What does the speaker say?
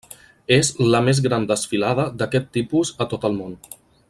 És el més gran desfilada d'aquest tipus a tot el món.